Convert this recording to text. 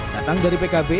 datang dari pkb